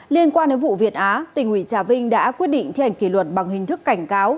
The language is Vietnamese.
liên quan đến vụ việt á tỉnh ủy trà vinh đã quyết định thi hành kỷ luật bằng hình thức cảnh cáo